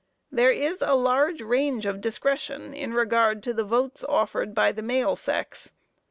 There is a large range of discretion in regard to the votes offered by the male sex.